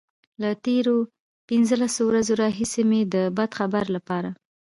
له تېرو پنځلسو ورځو راهيسې مې د بد خبر لپاره.